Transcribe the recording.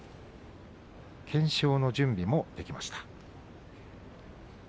懸賞の準備もできました。